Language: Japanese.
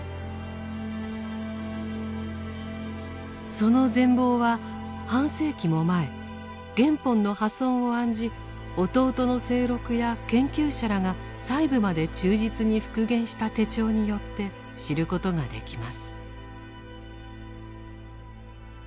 その全貌は半世紀も前原本の破損を案じ弟の清六や研究者らが細部まで忠実に復元した手帳によって知ることができます。